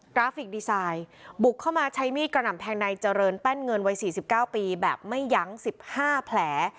ราฟิกดีไซน์บุกเข้ามาใช้มีดกระหน่ำแทงในเจริญแป้นเงินวัย๔๙ปีแบบไม่ยั้ง๑๕แผล